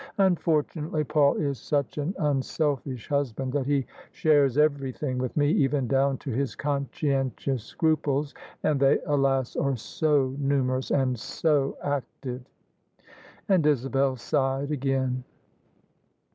Unfortimately Paul is such an unselfish husband that he shares everything with me, even down to his conscientious scruples: and they, alast are so numerous and so active 1 " And Isabel sighed again.